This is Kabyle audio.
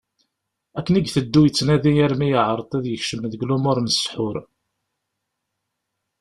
Akken i iteddu yettnadi armi yeεreḍ ad yekcem deg lumuṛ n ssḥur.